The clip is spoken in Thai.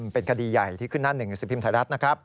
เป็นคดีใหญ่ที่ขึ้นหน้า๑สิพิมพ์ไทยรัฐนะครับ